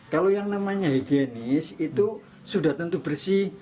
kalau yang namanya higienis itu sudah tentu bersih